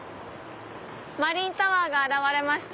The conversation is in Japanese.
マリンタワーが現れました。